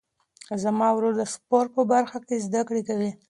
زما ورور د سپورټ په برخه کې زده کړې کوي.